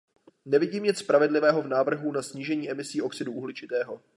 Nevidím nic spravedlivého v návrhu na snížení emisí oxidu uhličitého.